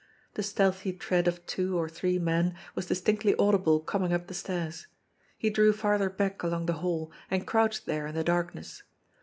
The stealthy tread of two or three men was distinctly audible coming up the stairs. He drew farther back along the hall and crouched there in the darkness.